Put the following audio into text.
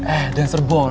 eh dan serba lu kan